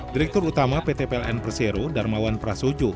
direktur utama pt pln persero darmawan prasojo